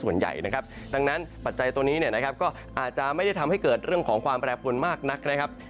ส่วนใหญ่ต่างนั้นปัจจัยตัวนี้ก็อาจจะไม่ได้ทำให้เกิดเรื่องของความแปลกฝนมากนะครับ